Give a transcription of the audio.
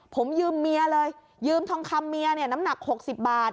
ผมยืมเมียเลยยืมทองคำเมียเนี่ยน้ำหนัก๖๐บาท